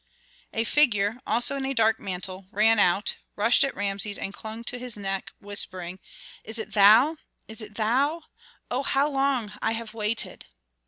A figure, also in a dark mantle, ran out, rushed at Rameses and clung to his neck, whispering, "Is it thou? is it thou? Oh, how long I have waited!"